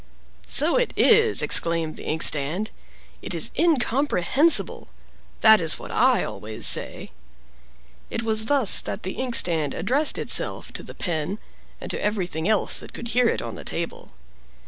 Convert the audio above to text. "So it is!" exclaimed the Inkstand. "It is incomprehensible! That is what I always say." It was thus the Inkstand addressed itself to the Pen, and to everything else that could hear it on the table.